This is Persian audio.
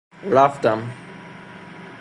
رفتم